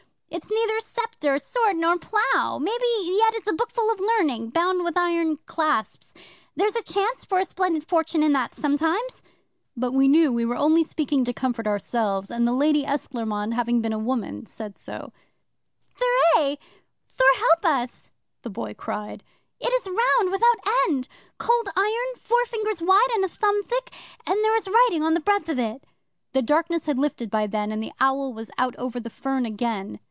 "It's neither sceptre, sword, nor plough! Maybe yet it's a bookful of learning, bound with iron clasps. There's a chance for a splendid fortune in that sometimes." 'But we knew we were only speaking to comfort ourselves, and the Lady Esclairmonde, having been a woman, said so. '"Thur aie! Thor help us!" the Boy called. "It is round, without end, Cold Iron, four fingers wide and a thumb thick, and there is writing on the breadth of it." '"Read the writing if you have the learning," I called. The darkness had lifted by then, and the owl was out over the fern again.